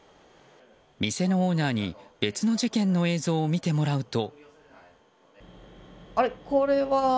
店のオーナーに別の事件の映像を見てもらうと。